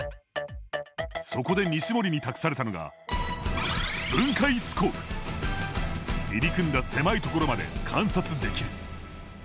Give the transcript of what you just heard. そこで西森に託されたのが入り組んだ狭いところまで観察できる。